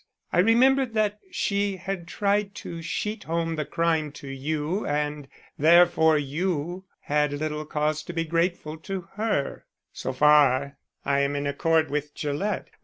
I remembered that she had tried to sheet home the crime to you and therefore you had little cause to be grateful to her so far I am in accord with Gillett.